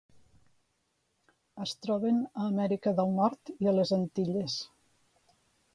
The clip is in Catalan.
Es troben a Amèrica del Nord i a les Antilles.